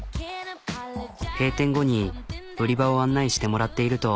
閉店後に売り場を案内してもらっていると。